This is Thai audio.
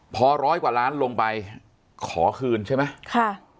พอร้อยกว่าล้านลงไปขอคืนใช่ไหมค่ะ